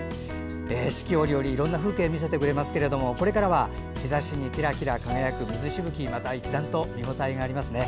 四季折々いろんな風景を見せてくれますけれどもこれからは日ざしにきらきら輝く水しぶきまた一段と見応えがありますね。